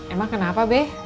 emang kenapa be